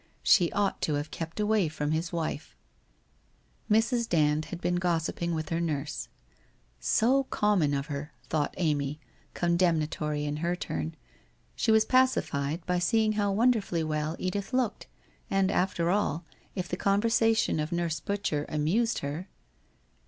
She ought to have kept away from his wife. ... Mrs. Dand had been gossipping with her nurse. * So common of her !' thought Amy, condemnatory in her turn. She was pacified, by seeing how wonderfully well Edith looked, and after all, if the conversation of Nurse Butcher amused her